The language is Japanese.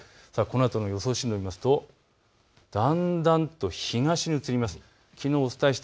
予想進路を見ますとだんだんと東へ移ります。